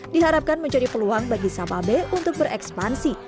diharapkan menjadi peluang bagi sababe untuk berekspansi